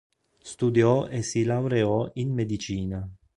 Studiò e si laureò in medicina.